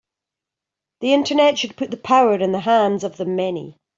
The Internet should put the power in the hands of the many